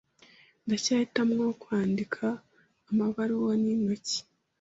Ndacyahitamo kwandika amabaruwa n'intoki.